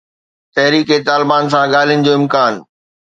تحريڪ طالبان سان ڳالهين جو امڪان